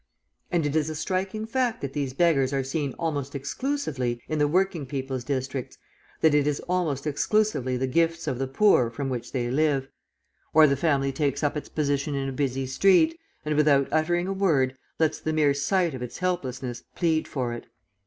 And it is a striking fact that these beggars are seen almost exclusively in the working people's districts, that it is almost exclusively the gifts of the poor from which they live. Or the family takes up its position in a busy street, and without uttering a word, lets the mere sight of its helplessness plead for it.